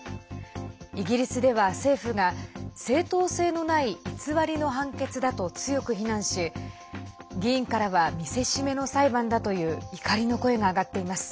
イギリスでは政府が正統性のない偽りの判決だと強く非難し、議員からは見せしめの裁判だという怒りの声が上がっています。